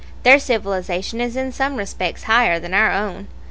Their civilization is in some respects higher than our own.